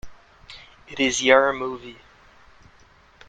It is your movie.